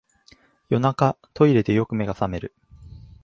夜中、トイレでよく目が覚める